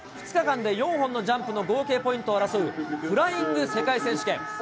２日間で４本のジャンプの合計ポイントを争うフライング世界選手権。